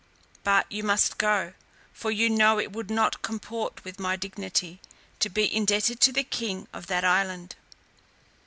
But you must go; for you know it would not comport with my dignity, to be indebted to the king of that island."